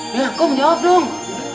iya kum jawab dong